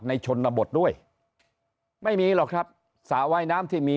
ชนบทด้วยไม่มีหรอกครับสระว่ายน้ำที่มี